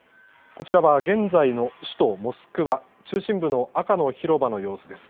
こちらは現在の首都モスクワ、中心部の赤の広場の様子です。